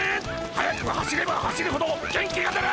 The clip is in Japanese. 速く走れば走るほど元気が出る！